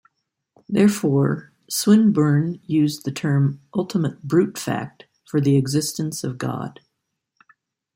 Therefore, Swinburne used the term "ultimate brute fact" for the existence of God.